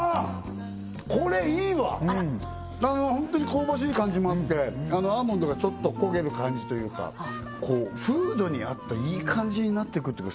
これいいわあらっホントに香ばしい感じもあってアーモンドがちょっと焦げる感じというかこう風土に合ったいい感じになってくっていうか